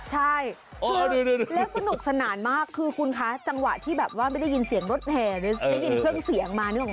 ใช่แล้วสนุกสนานมากคือคุณคะจังหวะที่แบบว่าไม่ได้ยินเสียงรถแห่หรือได้ยินเครื่องเสียงมานึกออก